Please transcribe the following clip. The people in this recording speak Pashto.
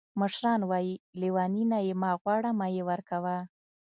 مشران وایي: لیوني نه یې مه غواړه او مه یې ورکوه.